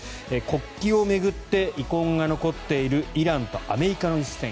国旗を巡って遺恨が残っているイランとアメリカの一戦。